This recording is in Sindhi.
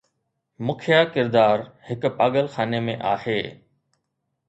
مکيه ڪردار هڪ پاگل خاني ۾ آهي.